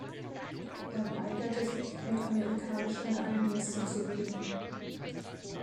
Er weigerte sich, mit amerikanischen Geheimdiensten zu reden.